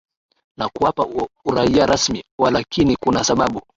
na kuwapa uraia rasmi Walakini kuna sababu